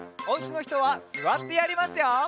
おうちのひとはすわってやりますよ。